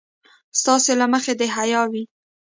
ستاسې له مخې د حيا وي.